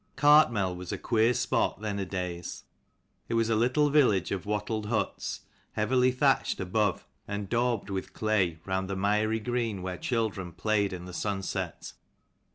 lARTMEL was a queer spot, CHAPTER thenadays. It was a little XLII. village of wattled huts, heavily CARTMEL thatched above, and daubed CHURCH, with clay, round the miry [green where children played in the sunset.